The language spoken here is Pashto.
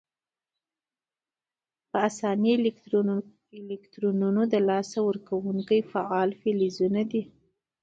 په آساني الکترونونه له لاسه ورکونکي فعال فلزونه دي.